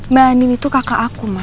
mbak andini tuh kakak aku ma